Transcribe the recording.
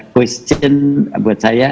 pertanyaan buat saya